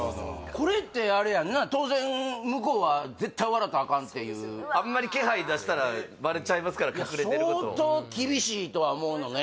これってあれやんな当然向こうはあんまり気配出したらバレちゃいますから隠れてることを相当厳しいとは思うのね